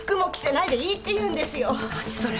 何それ？